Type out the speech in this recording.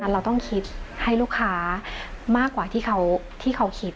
เราต้องคิดให้ลูกค้ามากกว่าที่เขาคิด